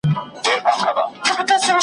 ما هیڅکله تاته زړه نه وو درکړی .